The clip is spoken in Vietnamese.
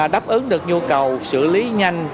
đáp ứng được nhu cầu xử lý nhanh